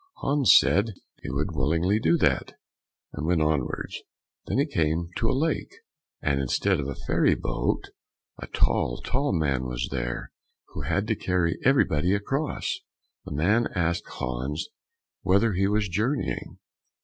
Hans said he would willingly do that, and went onwards. Then he came to a lake, and instead of a ferry boat, a tall, tall man was there who had to carry everybody across. The man asked Hans whither he was journeying?